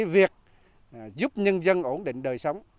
việc giúp nhân dân ổn định đời sống